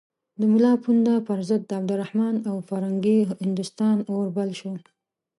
د ملا پوونده پر ضد د عبدالرحمن او فرنګي هندوستان اور بل شو.